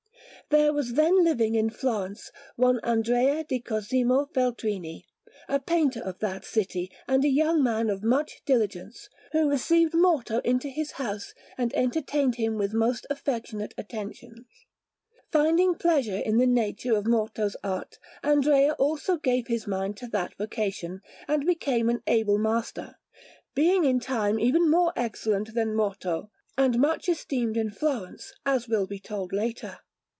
There was then living in Florence one Andrea di Cosimo Feltrini, a painter of that city, and a young man of much diligence, who received Morto into his house and entertained him with most affectionate attentions. Finding pleasure in the nature of Morto's art, Andrea also gave his mind to that vocation, and became an able master, being in time even more excellent than Morto, and much esteemed in Florence, as will be told later.